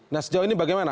nah sejauh ini bagaimana